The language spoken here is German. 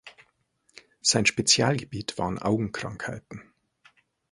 Sein Spezialgebiet waren Augenkrankheiten.